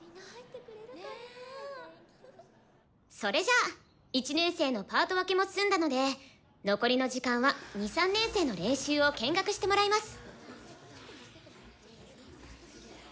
それじゃあ１年生のパート分けも済んだので残りの時間は２３年生の練習を見学してもらいます。